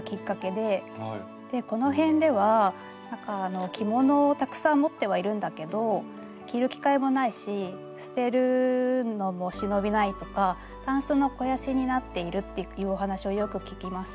このへんでは着物をたくさん持ってはいるんだけど着る機会もないし捨てるのも忍びないとかたんすの肥やしになっているっていうお話をよく聞きます。